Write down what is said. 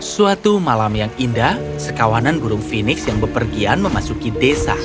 suatu malam yang indah sekawanan burung fenix yang berpergian memasuki desa